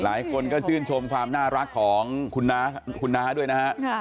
หลายคนก็ชื่นชมความน่ารักของคุณน้าด้วยนะฮะ